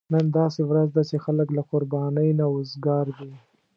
نن داسې ورځ ده چې خلک له قربانۍ نه وزګار دي.